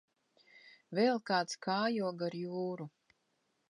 Vēl kāds kājo gar jūru.